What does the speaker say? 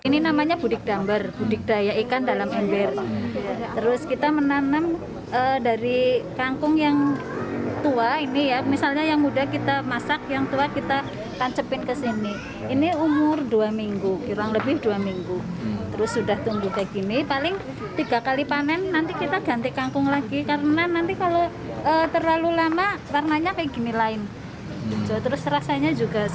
selama warnanya kayak gini lain terus rasanya juga sudah tidak begitu sedap lah ya